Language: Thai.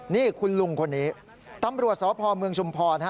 นี่คุณลุงคนนี้ตำรวจสพเมืองชุมพร